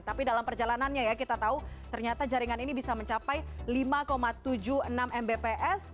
tapi dalam perjalanannya ya kita tahu ternyata jaringan ini bisa mencapai lima tujuh puluh enam mbps